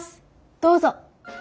どうぞ。